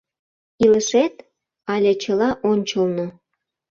Илышет але чыла ончылно.